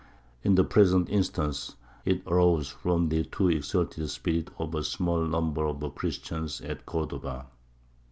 In the present instance it arose from the too exalted spirit of a small number of Christians at Cordova.